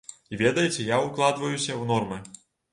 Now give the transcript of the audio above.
І ведаеце, я ўкладваюся ў нормы.